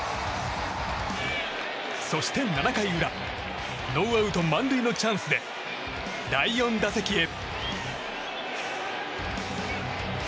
そして７回裏ノーアウト満塁のチャンスで第４打席へ。